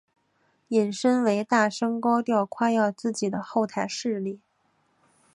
引申为大声高调夸耀自己的后台势力。